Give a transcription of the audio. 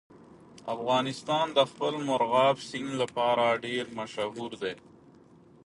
افغانستان د خپل مورغاب سیند لپاره ډېر مشهور دی.